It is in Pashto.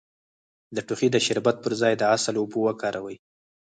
د ټوخي د شربت پر ځای د عسل اوبه وکاروئ